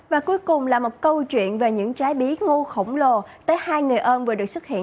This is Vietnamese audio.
và cuối cùng là một câu chuyện về những trái bí ngô khổng lồ tới hai người ơn vừa được xuất hiện